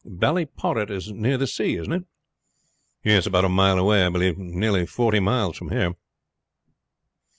Ballyporrit is near the sea, isn't it?" "Yes. About a mile away, I believe. Nearly forty miles from here."